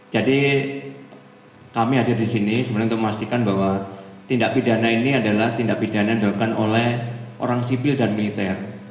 jadi kami hadir di sini sebenarnya untuk memastikan bahwa tindak pidana ini adalah tindak pidana yang dilakukan oleh orang sibil dan militer